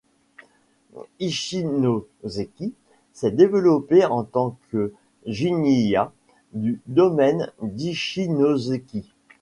Ichinoseki s'est développée en tant que jin'ya du domaine d'Ichinoseki.